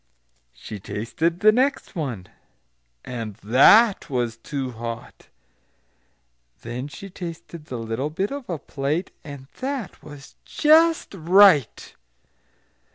She tasted the next one, and that was too hot. Then she tasted the little bit of a plate, and that was just right!"